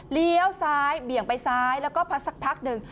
เลี้ยวซ้ายเบี่ยงไปซ้ายแล้วก็พัดสักพักหนึ่ง